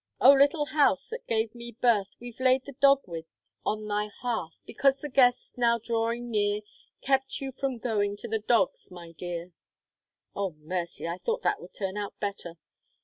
"O little house that gave me birth, We've laid the dogwood on thy hearth Because the guests now drawing near _Kept you from going to the dogs, my dear _ oh, mercy, I thought that would turn out better.